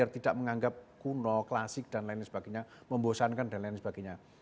tidak menganggap kuno klasik dan lain sebagainya membosankan dan lain sebagainya